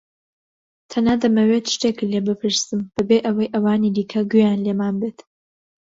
تەنها دەمەوێت شتێکت لێ بپرسم بەبێ ئەوەی ئەوانی دیکە گوێیان لێمان بێت.